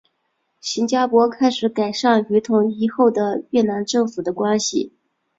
新加坡开始改善与统一后的越南政府的关系。